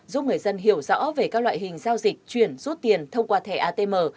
giúp người dân hiểu rõ về các loại hình giao dịch chuyển rút tiền thông qua thẻ atm